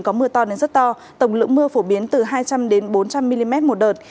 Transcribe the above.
có mưa to đến rất to tổng lượng mưa phổ biến từ hai trăm linh bốn trăm linh mm một đợt